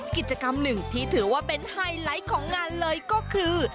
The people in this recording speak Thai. กิจกรรมหนึ่งที่ถือว่าเป็นไฮไลท์ของงานเลยก็คือ